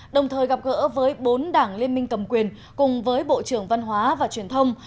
đồng thời gặp gỡ với bốn đảng liên minh cầm quyền cùng với bộ trưởng văn hóa và truyền thông